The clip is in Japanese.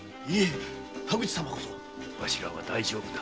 わしらは大丈夫だ。